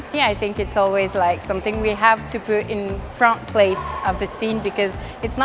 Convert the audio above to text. dan sangat penting untuk memiliki hal yang berkaitan untuk berpikir bahwa kita harus berkaitan